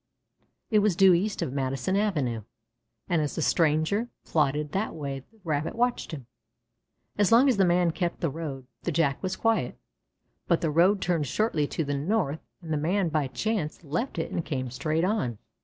It was due east of Madison Avenue, and as the stranger plodded that way the Rabbit watched him. As long as the man kept the road the Jack was quiet, but the road turned shortly to the north, and the man by chance left it and came straight on.